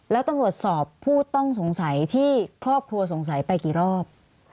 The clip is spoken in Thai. แล้วตำรวจสอบผู้ต้องสงสัยที่ครอบครัวสงสัยไปกี่รอบ